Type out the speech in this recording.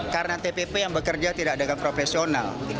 karena tpp yang bekerja tidak dengan profesional